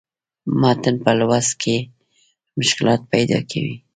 متن پۀ لوست کښې مشکلات پېدا کوي